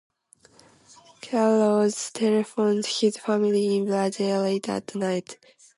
Carlos telephones his family in Brazil late at night.